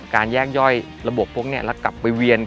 แยกย่อยระบบพวกนี้แล้วกลับไปเวียน